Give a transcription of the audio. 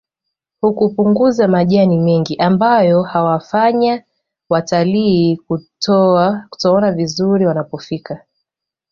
Hkupunguza majani mengi ambayo huwafanya watalii kutoona vizuri wanapofika